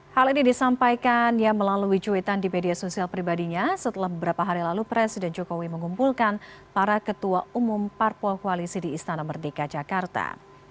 hal ini disampaikannya melalui cuitan di media sosial pribadinya setelah beberapa hari lalu presiden jokowi mengumpulkan para ketua umum parpol koalisi di istana merdeka jakarta